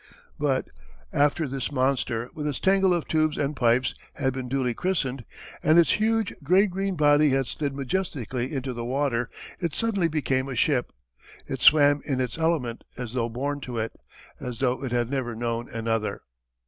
But after this monster, with its tangle of tubes and pipes, had been duly christened, and its huge grey green body had slid majestically into the water, it suddenly became a ship. It swam in its element as though born to it as though it had never known another.